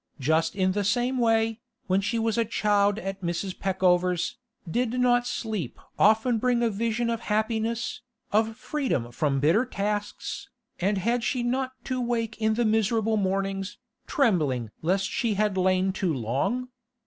Just in the same way, when she was a child at Mrs. Peckover's, did not sleep often bring a vision of happiness, of freedom from bitter tasks, and had she not to wake in the miserable mornings, trembling lest she had lain too long?